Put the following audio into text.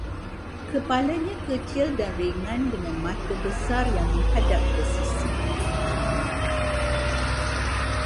Kepalanya kecil dan ringan dengan mata besar yang menghadap ke sisi